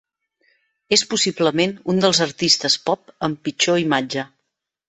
És possiblement un dels artistes pop amb pitjor imatge.